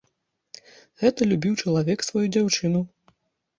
Гэта любіў чалавек сваю дзяўчыну.